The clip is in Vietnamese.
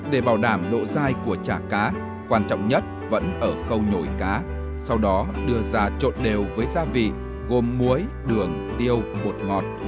để bảo đảm độ dai của chả cá quan trọng nhất vẫn ở khâu nhồi cá sau đó đưa ra trộn đều với gia vị gồm muối đường tiêu bột ngọt